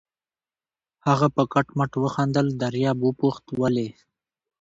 هغه په کټ کټ وخندل، دریاب وپوښت: ولې؟